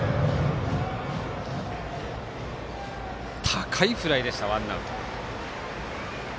高いフライでした、ワンアウト。